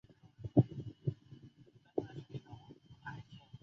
安康圣母朝圣地是意大利拉斯佩齐亚省里奥马焦雷的一座罗马天主教教堂。